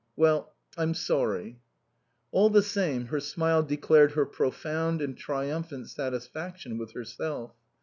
"Well I'm sorry." All the same her smile declared her profound and triumphant satisfaction with herself.